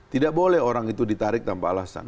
tidak boleh orang itu ditarik tanpa alasan